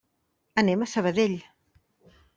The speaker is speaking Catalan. Anem a Sabadell.